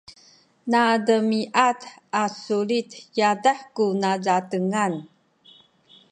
nademiad a sulit yadah ku nazatengan